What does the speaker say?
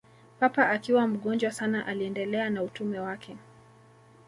Papa akiwa mgonjwa sana aliendelea na utume wake